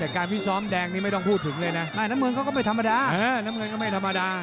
แต่การพิสอบแดงนี้ไม่ต้องพูดถึงเลยนะน้ำเงินก็ไม่ธรรมดา